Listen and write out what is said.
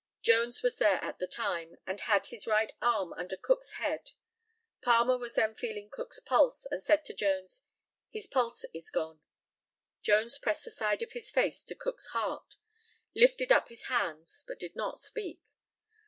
Jones was there at the time, and had his right arm under Cook's head. Palmer was then feeling Cook's pulse, and said to Jones, "His pulse is gone." Jones pressed the side of his face to Cook's heart, lifted up his hands, but did not speak.